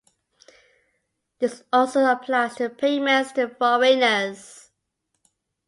This also applies to payments to foreigners.